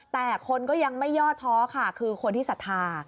แต่คนก็ยังไม่ย่อท้อค่ะคือคนที่ศรัทธา